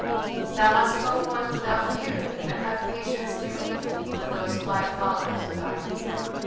"Thou must go forth without fear; and have patience, dear youth, with those quiet followers of thine.